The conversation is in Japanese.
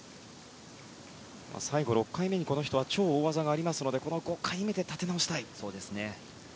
最後６回目に超大技がありますからこの５回目で立て直したい。